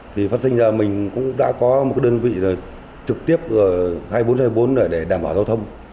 thì phát sinh ra mình cũng đã có một đơn vị trực tiếp hai nghìn bốn trăm hai mươi bốn để đảm bảo giao thông